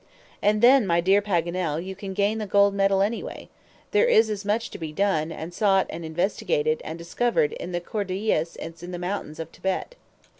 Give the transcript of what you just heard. "And then, my dear Paganel, you can gain the gold medal anyway. There is as much to be done, and sought, and investigated, and discovered in the Cordilleras as in the mountains of Thibet."